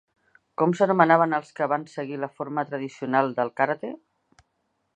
Com s'anomenaven els que van seguir la forma tradicional del karate?